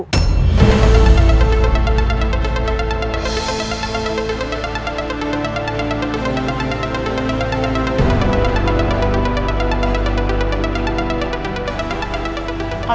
dan sepertinya terluka parah bu